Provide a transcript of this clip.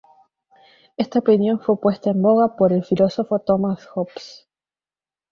Esta opinión fue puesta en boga por el filósofo Thomas Hobbes.